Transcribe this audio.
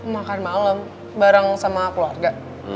makan malem barang sama keluarga